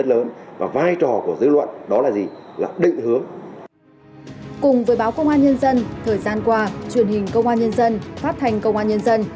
cùng với báo công an nhân dân thời gian qua truyền hình công an nhân dân phát thanh công an nhân dân